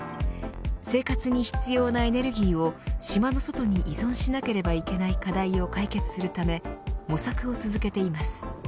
生活に必要なエネルギーを島の外に依存しなければいけない課題を解決するため模索を続けています。